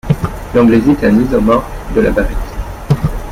L’anglésite est un isomorphe de la barite.